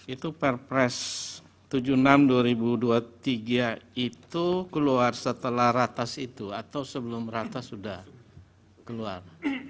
itu perpres tujuh puluh enam dua ribu dua puluh tiga itu keluar setelah ratas itu atau sebelum rata sudah keluar